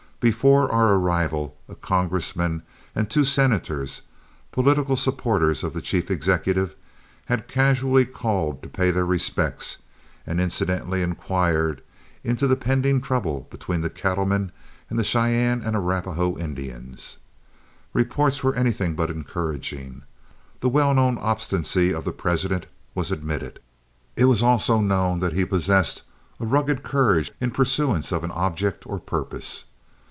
Before our arrival, a congressman and two senators, political supporters of the chief executive, had casually called to pay their respects, and incidentally inquired into the pending trouble between the cattlemen and the Cheyenne and Arapahoe Indians. Reports were anything but encouraging; the well known obstinacy of the President was admitted; it was also known that he possessed a rugged courage in pursuance of an object or purpose.